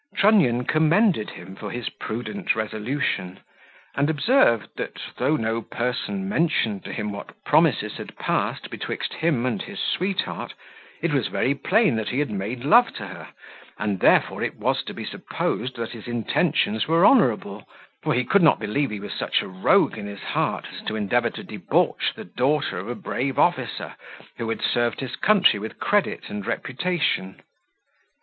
Trunnion commended him for his prudent resolution, and observed, that, though no person mentioned to him what promises had passed betwixt him and his sweetheart, it was very plain that he had made love to her, and therefore it was to be supposed that his intentions were honourable; for he could not believe he was such a rogue in his heart, as to endeavour to debauch the daughter of a brave officer, who had served his country with credit and reputation.